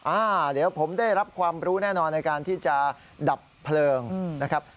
อ่าเดี๋ยวผมได้รับความรู้แน่นอนในการที่จะดับเพลิงนะครับ